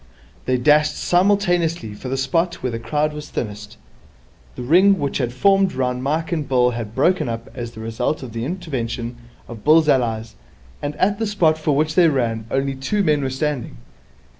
They dashed simultaneously for the spot where the crowd was thinnest. The ring which had formed round Mike and Bill had broken up as the result of the intervention of Bill's allies, and at the spot for which they ran only two men were standing.